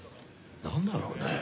何だろうね。